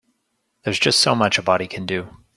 There's just so much a body can do.